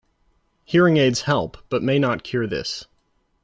Hearing aids help, but may not cure this.